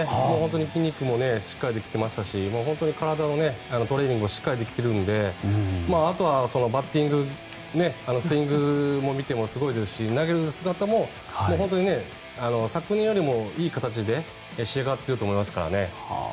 筋肉もしっかりできてましたしトレーニングがしっかりできてるのであとはバッティングスイングも見てもすごいですし投げる姿も昨年よりもいい形で仕上がっていると思いますからね。